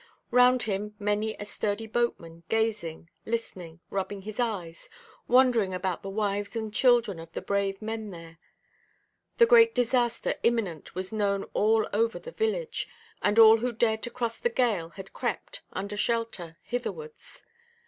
Round him many a sturdy boatman, gazing, listening, rubbing his eyes, wondering about the wives and children of the brave men there. The great disaster imminent was known all over the village, and all who dared to cross the gale had crept, under shelter, hitherwards.